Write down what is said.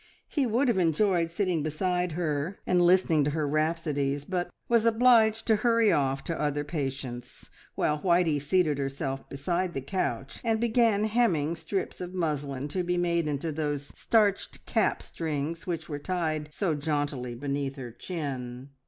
He would have enjoyed sitting beside her and listening to her rhapsodies, but was obliged to hurry off to other patients, while Whitey seated herself beside the couch, and began hemming strips of muslin to be made into those starched cap strings which were tied so jauntily beneath her chin.